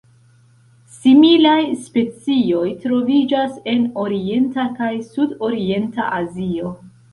Similaj specioj troviĝas en Orienta kaj Sudorienta Azio.